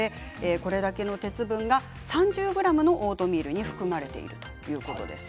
これだけの鉄分が３０ｇのオートミールに含まれているということです。